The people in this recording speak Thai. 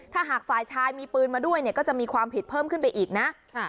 ถ้าหากฝ่ายชายมีปืนมาด้วยเนี่ยก็จะมีความผิดเพิ่มขึ้นไปอีกนะ